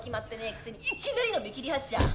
くせにいきなりの見切り発車」